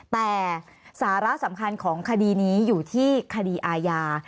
แต่สาระสำคัญของคดีนี้อยู่ที่คดีอาญา